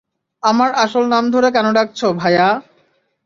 আমার আসল নাম ধরে কেন ডাকছো, ভায়া?